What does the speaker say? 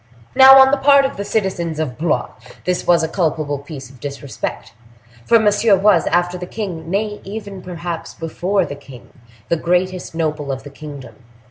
Now, on the part of the citizens of Blois this was a culpable piece of disrespect, for Monsieur was, after the king—nay, even perhaps, before the king—the greatest noble of the kingdom.